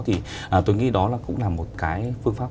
thì tôi nghĩ đó là cũng là một cái phương pháp